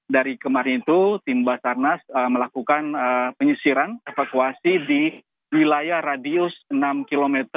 dari kemarin itu tim basarnas melakukan penyisiran evakuasi di wilayah radius enam km